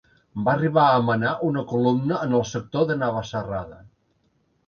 Va arribar a manar una columna en el sector de Navacerrada.